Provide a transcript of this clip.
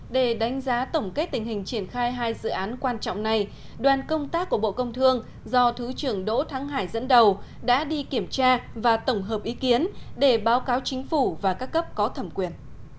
để đánh giá tổng kết tình hình triển khai hai dự án quan trọng này đoàn công tác của bộ công thương do thứ trưởng đỗ thắng hải dẫn đầu đã đi kiểm tra và tổng hợp ý kiến để báo cáo chính phủ và các cấp có thẩm quyền